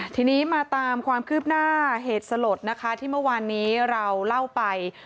ทีนี้มาตามความคืบหน้าเหตุสลดนะคะที่เมื่อวานนี้เราเล่าไป